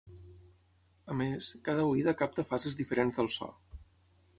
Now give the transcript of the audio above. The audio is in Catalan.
A més, cada oïda capta fases diferents del so.